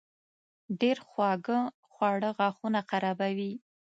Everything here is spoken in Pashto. ډېر خواږه خواړه غاښونه خرابوي.